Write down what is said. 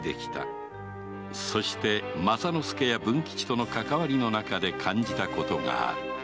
そして政之助や文吉とのかかわりの中で感じたこと